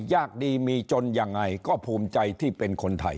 ยากดีมีจนยังไงก็ภูมิใจที่เป็นคนไทย